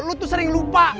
lo tuh sering lupa